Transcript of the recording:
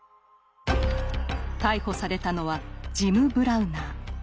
逮捕されたのはジム・ブラウナー。